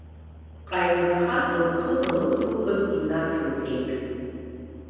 Ҟаимаҭхан лхы налықәылкын инацылҵеит.